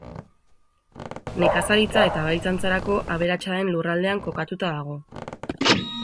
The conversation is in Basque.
Nekazaritza eta abeltzaintzarako aberatsa den lurraldean kokatuta dago.